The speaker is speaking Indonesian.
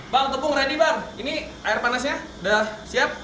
bang tepung ready bang ini air panasnya sudah siap